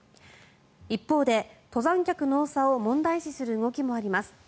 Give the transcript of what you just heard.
一方で、登山客の多さを問題視する動きもあります。